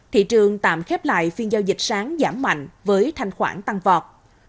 thị trường tạm khép lại phiên giao dịch sáng giảm mạnh với thanh khoản tăng vọt